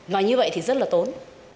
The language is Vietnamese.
và như vậy thì rất là tốn